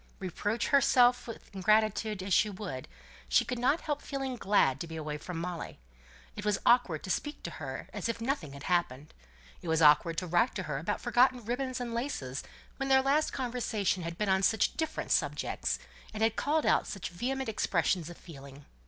Reproach herself with ingratitude as she would, she could not help feeling glad to be away from Molly; it was awkward to speak to her as if nothing had happened; it was awkward to write to her about forgotten ribbons and laces, when their last conversation had been on such different subjects, and had called out such vehement expressions of feeling.